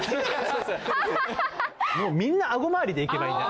もうみんなアゴまわりでいけばいいんだ。